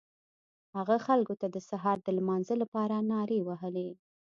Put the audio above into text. هغه خلکو ته د سهار د لمانځه لپاره نارې وهلې.